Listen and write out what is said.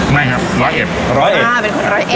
ไม่ครับร้อยเอ็ดร้อยเอ็ดอ่าเป็นคนร้อยเอ็